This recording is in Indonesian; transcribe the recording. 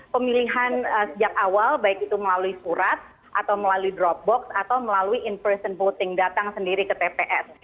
dan sejak awal baik itu melalui surat atau melalui dropbox atau melalui in person voting datang sendiri ke tps